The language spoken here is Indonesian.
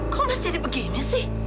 kok masih jadi begini sih